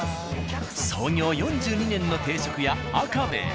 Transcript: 創業４２年の定食屋「赤兵衛」。